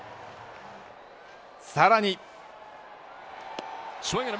さらに。